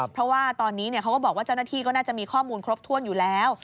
เพราะว่าตอนนี้เขาก็บอกว่าเจ้าหน้าที่ก็น่าจะมีข้อมูลครบถ้วนอยู่แล้ว